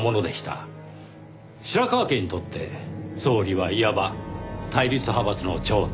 白河家にとって総理はいわば対立派閥の頂点。